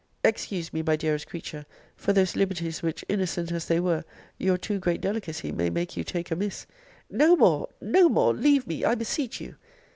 Excuse me, my dearest creature, for those liberties which, innocent as they were, your too great delicacy may make you take amiss No more! no more! leave me, I beseech you!